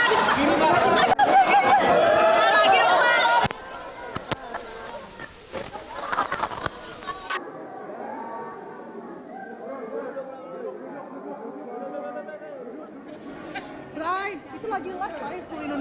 ibu meyakinkan kepada anggota covid sembilan belas